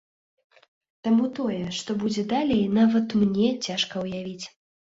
Таму тое, што будзе далей, нават мне цяжка ўявіць.